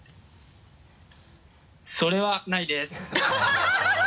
それはないです。